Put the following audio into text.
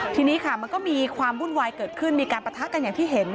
ทีนี้ค่ะมันก็มีความวุ่นวายเกิดขึ้นมีการปะทะกันอย่างที่เห็น